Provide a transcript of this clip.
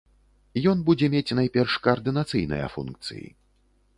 Ён будзе мець найперш каардынацыйныя функцыі.